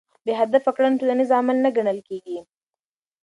بې هدفه کړنې ټولنیز عمل نه ګڼل کېږي.